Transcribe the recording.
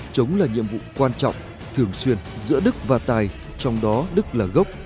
chống là nhiệm vụ quan trọng thường xuyên giữa đức và tài trong đó đức là gốc